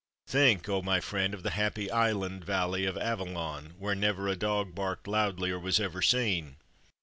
Think, oh, my friend, of the happy island valley of Avillon, where never a dog barked loudly or was ever seen."